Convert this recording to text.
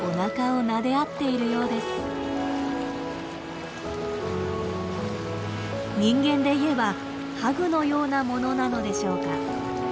人間でいえばハグのようなものなのでしょうか？